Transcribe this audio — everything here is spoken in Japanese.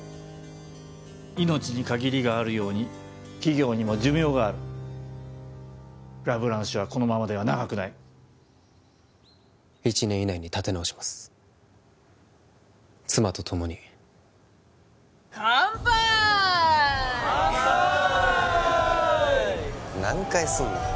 命に限りがあるように企業にも寿命があるラ・ブランシュはこのままでは長くない１年以内に立て直します妻と共にかんぱいかんぱい何回すんだよ